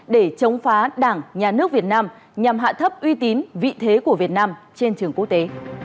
để chống phá đảng nhà nước việt nam nhằm hạ thấp uy tín vị thế của việt nam trên trường quốc tế